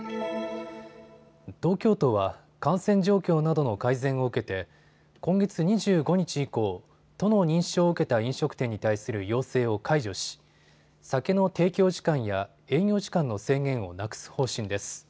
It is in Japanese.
東京都は感染状況などの改善を受けて今月２５日以降、都の認証を受けた飲食店に対する要請を解除し酒の提供時間や営業時間の制限をなくす方針です。